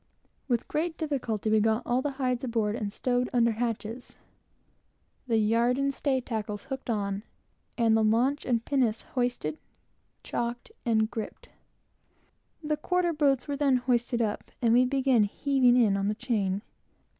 With great difficulty, we got all the hides aboard and stowed under hatches, the yard and stay tackles hooked on, and the launch and pinnace hoisted, checked, and griped. The quarter boats were then hoisted up, and we began heaving in on the chain.